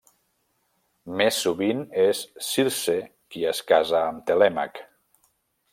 Més sovint és Circe qui es casa amb Telèmac.